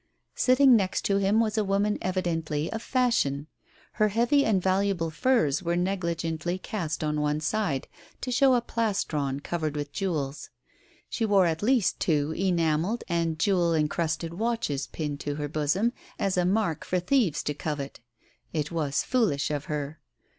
Sitting next to him was a woman evidently of fashion. Her heavy and valuable furs were negligently cast on one side, to show a plastron covered with jewels. She wore at least two enamelled and jewel encrusted watches pinned to her bosom as a mark for thieves to covet. It was foolish of her.